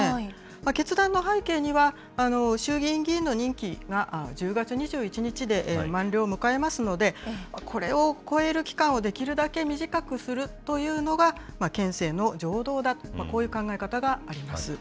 決断の背景には、衆議院議員の任期が１０月２１日で満了を迎えますので、これを超える期間をできるだけ短くするというのが、憲政の常道だ、こういう考え方があります。